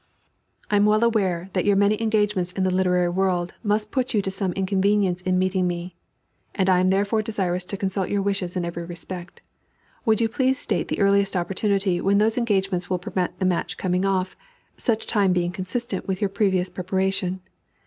"I am well aware that your many engagements in the literary world must put you to some inconvenience in meeting me, and I am therefore desirous to consult your wishes in every respect. Would you please state the earliest opportunity when those engagements will permit the match coming off, such time being consistent with your previous preparation?